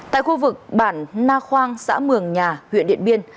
tại khu vực bản na khoang xã mường nhà huyện điện biên